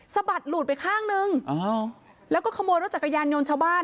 สะบัดหลุดไปข้างนึงแล้วก็ขโมยรถจักรยานยนต์ชาวบ้าน